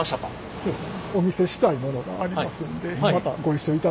そうですね。